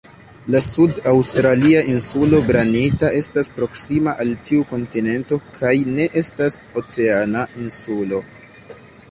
La sud-aŭstralia Insulo Granita estas proksima al tiu kontinento kaj ne estas "oceana" insulo.